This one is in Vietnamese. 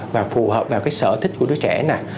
và phù hợp với sở thích của đứa trẻ